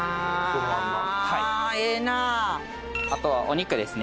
あとはお肉ですね。